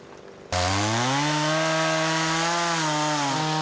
え。